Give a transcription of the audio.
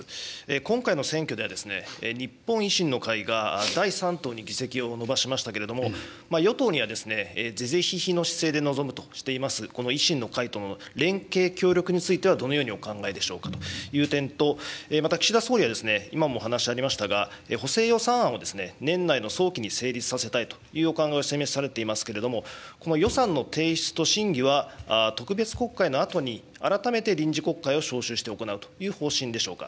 今回の選挙では、日本維新の会が第３党に議席を伸ばしましたけれども、与党には是々非々の姿勢で臨むとしています、この維新の会との連携・協力については、どのようにお考えでしょうかという点と、また岸田総理は、今もお話にありましたが、補正予算案を年内の早期に成立させたいというお考えを示されていますけれども、この予算の提出と審議は特別国会のあとに、改めて臨時国会を召集して行うという方針でしょうか。